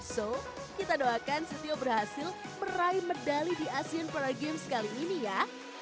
so kita doakan setiap berhasil meraih medali di asian paragames kali ini ya